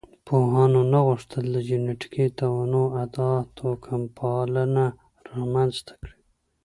پوهانو نه غوښتل د جینټیکي تنوع ادعا توکمپالنه رامنځ ته کړي.